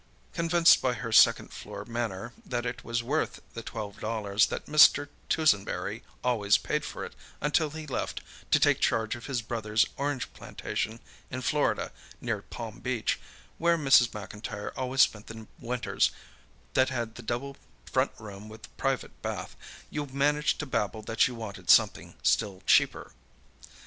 Convinced by her second floor manner that it was worth the $12 that Mr. Toosenberry always paid for it until he left to take charge of his brother's orange plantation in Florida near Palm Beach, where Mrs. McIntyre always spent the winters that had the double front room with private bath, you managed to babble that you wanted something still cheaper.